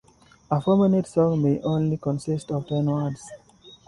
A four-minute song may only consist of ten words.